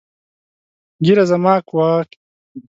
ږېره زما واک ېې د ملا